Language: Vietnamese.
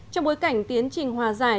trong bối cảnh tiến trình hòa giải